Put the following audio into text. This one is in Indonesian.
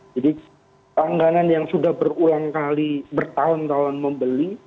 jadi tangganan yang sudah berulang kali bertahun tahun membeli